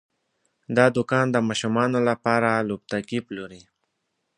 دا دوکان د ماشومانو لپاره لوبتکي پلوري.